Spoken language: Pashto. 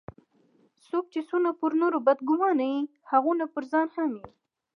څوک چي څونه پر نورو بد ګومانه يي؛ هغونه پرځان هم يي.